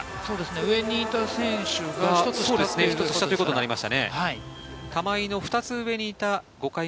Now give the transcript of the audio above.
上にいた選手が一つ下ということになりました。